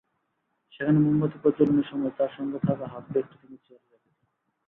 সেখানে মোমবাতি প্রজ্বালনের সময় তাঁর সঙ্গে থাকা হাতব্যাগটি তিনি চেয়ারে রেখে যান।